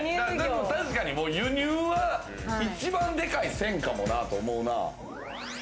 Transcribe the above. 確かに輸入は一番でかい線かもなと思うな。